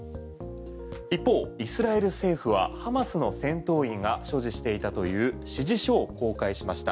一方イスラエル政府はハマスの戦闘員が所持していたという指示書を公開しました。